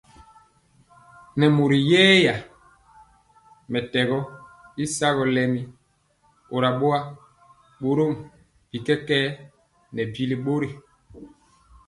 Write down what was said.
Nɛ mori yɛya mɛtɛgɔ y sagɔ lɛmi kora boa, borom bi kɛkɛɛ nɛ bi kɔ.